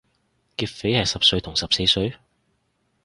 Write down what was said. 劫匪係十歲同十四歲？